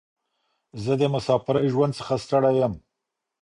زه د مساپرۍ ژوند څخه ستړی یم.